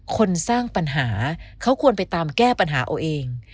คนสร้างปัญหาเขาควรไปตามแก้ปัญหาเอาเอง